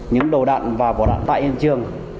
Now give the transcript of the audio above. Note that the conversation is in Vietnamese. những đầu đạn và vỏ đạn tại hiện trường